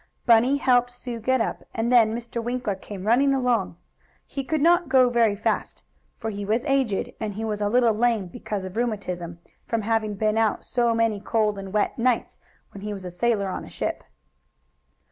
Bunny helped Sue get up, and then Mr. Winkler came running along. He could not go very fast, for he was aged, and he was a little lame, because of rheumatism, from having been out so many cold and wet nights when he was a sailor on a ship.